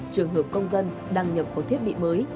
trường hợp công dân đăng nhập vào thiết bị mới